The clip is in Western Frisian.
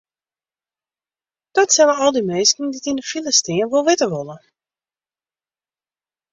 Dat sille al dy minsken dy't yn de file stean wol witte wolle.